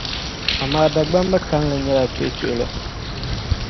Amaa Dagbamba kalinli nyԑla kamani tuhutuhili.